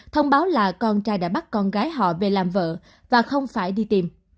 thông báo là con trai đã bắt con gái họ về làm vợ và không phải đi tìm